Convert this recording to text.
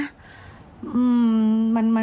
มันคล่องใจมันสงสัยว่า